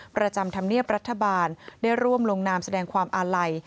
ประจำธรรมเนียบรัฐบาลได้ร่วมลงนามแสดงความอาลัย